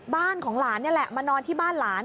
บ้านของหลานนี่แหละมานอนที่บ้านหลาน